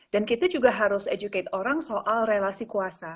dan kita juga harus educate orang soal relasi kuasa